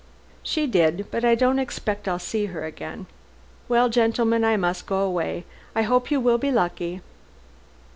"She did. But I don't expect I'll see her again. Well, gentlemen, I must go away. I hope you will be lucky."